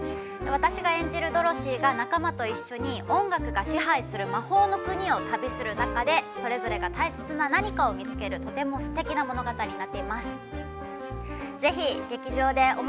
私が演じるドロシーが、仲間たちと一緒に「音楽が支配する魔法の国」を旅する中で、それぞれが大切な「何か」を見つけるとてもすてきな物語です。